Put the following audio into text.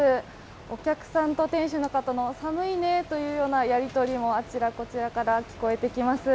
お客さんと店主の方の「寒いね」というやり取りもあちらこちらから聞こえてきます。